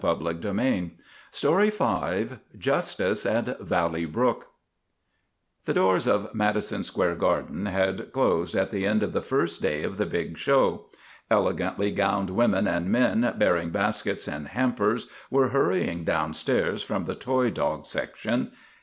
JUSTICE AT VALLEY BROOK JUSTICE AT VALLEY BROOK THE doors of Madison Square Garden had closed at the end of the first day of the big show. Elegantly gowned women and men bearing baskets and hampers were hurrying downstairs from the toy dog section.